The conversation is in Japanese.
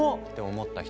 思った人